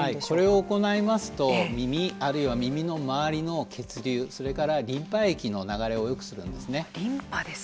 これを行いますと耳、あるいは耳の周りの血流それからリンパ液の流れをよくするんですね。